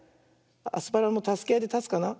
アスパラもたすけあいでたつかな。